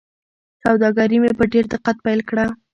سوداګري مې په ډېر دقت پیل کړه.